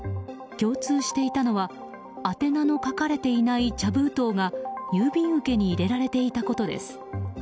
共通していたのは宛名の書かれていない茶封筒が郵便受けに入れられていたことです。